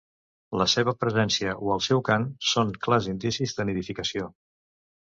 La seva presència o el seu cant són clars indicis de nidificació.